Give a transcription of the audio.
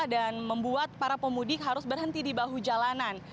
dan membuat para pemudik harus berhenti di bahu jalanan